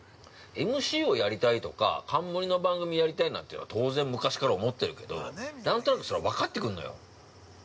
◆ＭＣをやりたいとか冠の番組をやりたいなんていうのは、当然昔から思ってるけど何となく、それ分かってくんのよ。